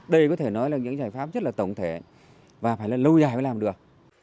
đây có thể nói là những giải pháp rất là tổng thể và phải là lâu dài mới làm được